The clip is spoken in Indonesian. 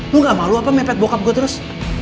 lo nggak malu apa mepet bokap gue terus